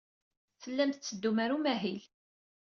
Tellam tetteddum ɣer umahil.